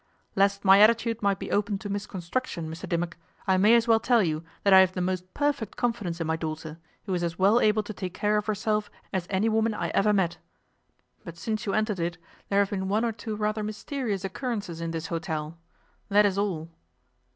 'Lest my attitude might be open to misconstruction, Mr Dimmock, I may as well tell you that I have the most perfect confidence in my daughter, who is as well able to take care of herself as any woman I ever met, but since you entered it there have been one or two rather mysterious occurrences in this hotel. That is all.